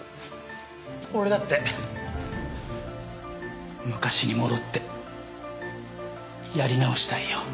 俺だって昔に戻ってやり直したいよ。